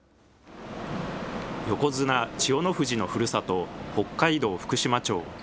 横綱・千代の富士のふるさと、北海道福島町。